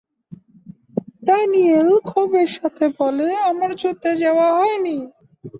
Danijel ক্ষোভের সাথে বলে, ‘আমার যুদ্ধ যাওয়া হয়নি।